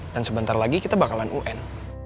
dan sebentar lagi kita bakalan un